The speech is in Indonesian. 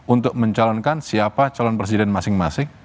untuk mencalonkan siapa calon presiden masing masing